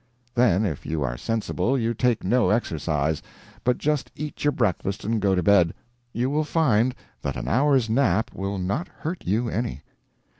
Then if you are sensible, you take no exercise, but just eat your breakfast and go to bed—you will find that an hour's nap will not hurt you any.